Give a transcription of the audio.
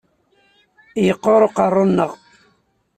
Yeqqur uqerruy-nneɣ.